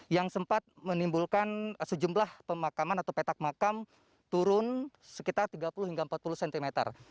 yang sempat menimbulkan sejumlah pemakaman atau petak makam turun sekitar tiga puluh hingga empat puluh cm